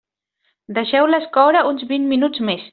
Deixeu-les coure uns vint minuts més.